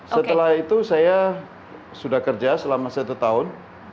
setelah itu saya sudah kerja selama satu tahun